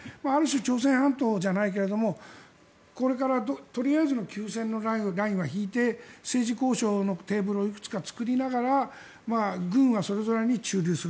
朝鮮半島じゃないけれどもこれからとりあえずの休戦のラインは引いて政治交渉のテーブルをいくつか作りながら軍はそれぞれに駐留する。